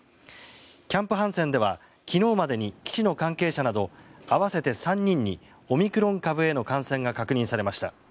キャンプ・ハンセンでは昨日までに基地の関係者など合わせて３人にオミクロン株への感染が確認されました。